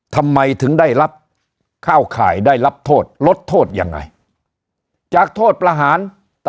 ทำไมถึงได้รับเข้าข่ายได้รับโทษลดโทษยังไงจากโทษประหาร